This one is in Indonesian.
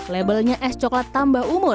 labelnya es coklat tambah umur